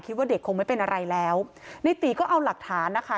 คิดว่าเด็กคงไม่เป็นอะไรแล้วในตีก็เอาหลักฐานนะคะ